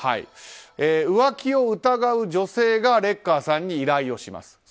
浮気を疑う女性がレッカーさんに依頼をします。